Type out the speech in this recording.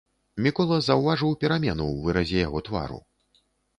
Мікола заўважыў перамену ў выразе яго твару.